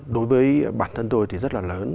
đối với bản thân tôi thì rất là lớn